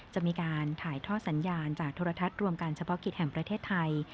จะมีการถ่ายท่อสัญญาณจากโทรทัศน์รวมการเฉพาะกิจแห่งประเทศไทย